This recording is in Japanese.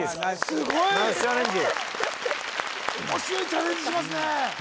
すごい面白いチャレンジしますね